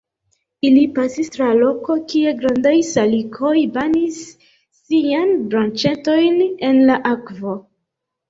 Ili pasis tra loko, kie grandaj salikoj banis siajn branĉetojn en la akvo.